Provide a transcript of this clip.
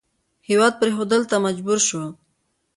هېواد پرېښودلو ته مجبور شو.